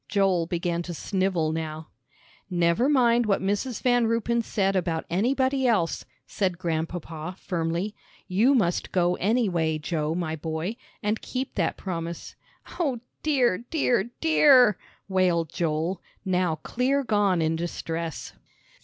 Joel began to snivel now. "Never mind what Mrs. Van Ruypen said about anybody else," said Grandpapa, firmly. "You must go anyway, Joe, my boy, and keep that promise." "O dear, dear, dear!" wailed Joel, now clear gone in distress.